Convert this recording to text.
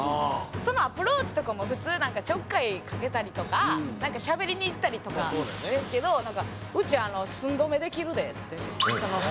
そのアプローチとかも普通ちょっかいかけたりとかしゃべりに行ったりとかですけど「うち寸止めできるで」ってその好きな子に。